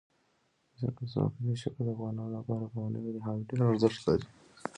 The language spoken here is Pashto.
ځمکنی شکل د افغانانو لپاره په معنوي لحاظ ډېر ارزښت لري.